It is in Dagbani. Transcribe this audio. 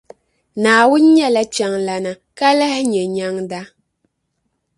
Naawuni nyɛla Kpεŋlana, ka lahi Nye Nyεŋda.